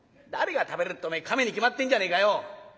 「誰が食べるってお前亀に決まってんじゃねえかよ」。